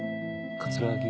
葛城。